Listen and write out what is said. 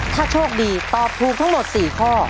ถ้าโชคดีตอบถูกทั้งหมด๔ข้อ